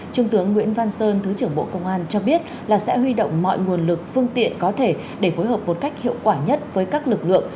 trung tướng nguyễn văn sơn thứ trưởng bộ công an cho biết là sẽ huy động mọi nguồn lực phương tiện có thể để phối hợp một cách hiệu quả nhất với các lực lượng